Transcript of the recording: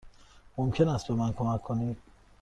ممکن است به من کمک کنید؟